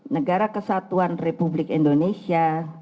negara kesatuan republik indonesia